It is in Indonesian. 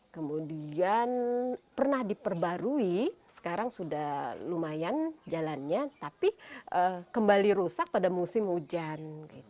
kemudian pernah diperbarui sekarang sudah lumayan jalannya tapi kembali rusak pada musim hujan